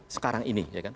sekarang ini ya kan